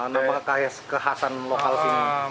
nama kayak kekhasan lokal sini